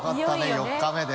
４日目で。